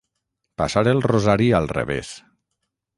Passar el rosari al revés.